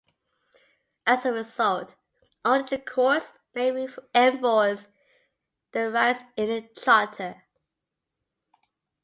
As a result, only the courts may enforce the rights in the Charter.